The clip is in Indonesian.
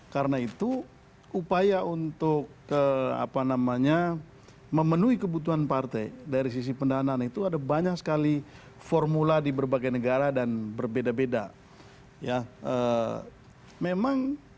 karena itu upaya untuk memenuhi kebutuhan partai dari sisi pendanaan itu ada banyak sekali formula di berbagai negara dan berbeda beda